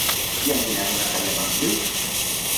I en quina zona s'havia construït?